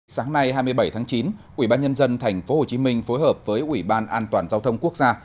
sáng nay hai mươi bảy tháng chín ủy ban nhân dân tp hcm phối hợp với ủy ban an toàn giao thông quốc gia